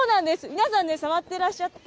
皆さん、触っていらっしゃって。